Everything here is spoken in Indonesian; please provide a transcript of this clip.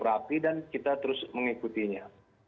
mereka cukup berhati hati dan kita terus mengikutinya